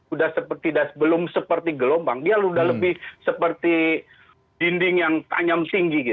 ini sudah seperti belum seperti gelombang dia sudah lebih seperti dinding yang tanyam tinggi